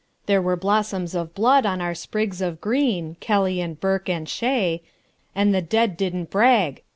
There were blossoms of blood on our sprigs of green Kelly and Burke and Shea And the dead didn't brag."